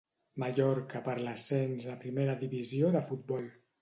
Mallorca per l'ascens a primera divisió de futbol.